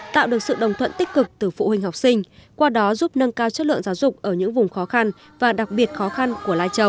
tạo được sự đồng thuận tích cực từ phụ huynh học sinh qua đó giúp nâng cao chất lượng giáo dục ở những vùng khó khăn và đặc biệt khó khăn của lai châu